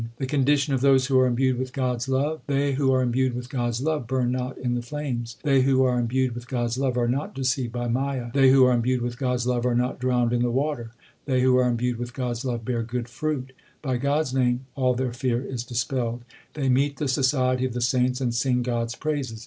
The condition of those who are imbued with God s love : They who are imbued with God s love burn not in the flames ; 2 They who are imbued with God s love are not deceived by Maya ; They who are imbued with God s love are not drowned in the water ; They who are imbued with God s love bear good fruit : By God s name all their fear is dispelled ; They meet the society of the saints, and sing God s praises.